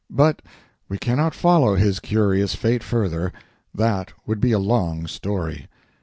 But we cannot follow his curious fate further that would be a long story.